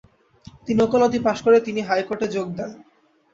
তিনি ওকালতি পাস করে তিনি হাইকোর্টে যোগ দেন।